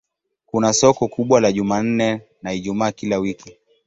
Kuna soko kubwa la Jumanne na Ijumaa kila wiki.